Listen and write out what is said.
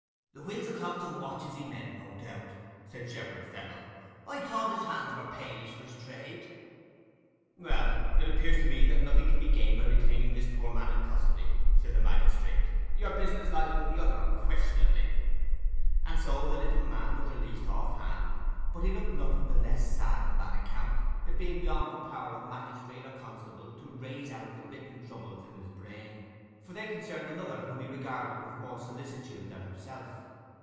'The wheels of clocks and watches he meant, no doubt,' said Shepherd Fennel. 'I thought his hands were palish for's trade.' 'Well, it appears to me that nothing can be gained by retaining this poor man in custody,' said the magistrate; 'your business lies with the other, unquestionably.' And so the little man was released off hand; but he looked nothing the less sad on that account, it being beyond the power of magistrate or constable to raze out the written troubles in his brain, for they concerned another whom he regarded with more solicitude than himself.